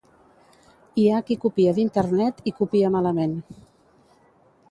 Hi ha qui copia d'internet i copia malament